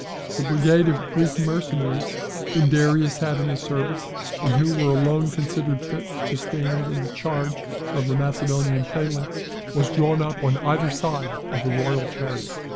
The brigade of Greek mercenaries, whom Darius had in his service, and who were alone considered fit to stand in the charge of the Macedonian phalanx, was drawn up on either side of the royal chariot.